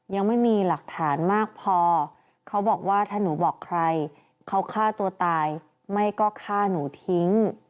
ยังไม่มีหลักฐานมากพอเขาบอกว่าถ้าหนูบอกใครเขาฆ่าตัวตายไม่ก็ฆ่าหนูทิ้ง